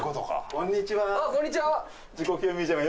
こんにちは。